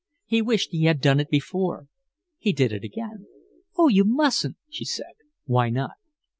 He wished he had done it before. He did it again. "Oh, you mustn't," she said. "Why not?"